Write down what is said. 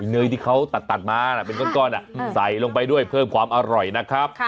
เนยที่เขาตัดมาเป็นก้อนใส่ลงไปด้วยเพิ่มความอร่อยนะครับ